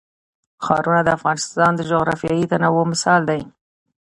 ښارونه د افغانستان د جغرافیوي تنوع مثال دی.